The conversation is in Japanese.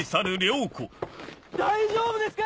大丈夫ですか？